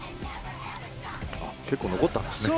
結構残ったんですね。